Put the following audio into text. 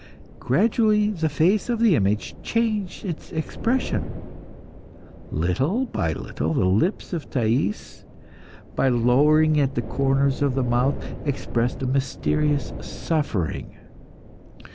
Gradually the face of the image changed its expression. Little by little the lips of Thais, by lowering at the corners of the mouth, expressed a mysterious suffering.